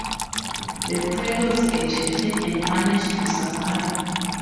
The pilots ejected and managed to survive.